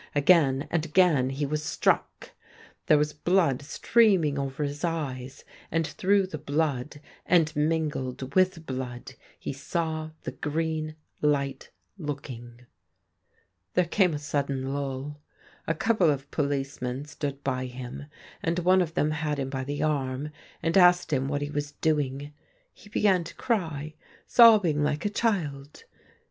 Again and again he was struck. 71 THE GREEN LIGHT There was blood streaming over his eyes, and through the blood and mingled with blood he saw the green light looking. There came a sudden lull. A couple of policemen stood by him, and one of them had him by the arm, and asked him what he was doing. He began to cry, sobbing like a child.